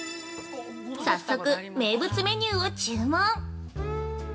さっそく名物メニューを注文！